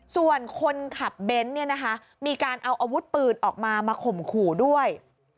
ส่วนคนขับเบนท์เนี่ยนะคะมีการเอาอาวุธปืนออกมามาข่มขู่ด้วย